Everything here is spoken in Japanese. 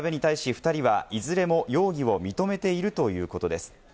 調べに対し２人はいずれも容疑を認めているということです。